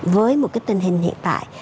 với một cái tình hình hiện tại